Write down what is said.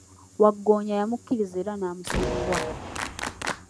Waggoonya yamukiriza era namusonyiwa.